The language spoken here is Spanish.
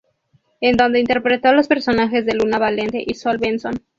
En donde interpretó los personajes de Luna Valente y Sol Benson.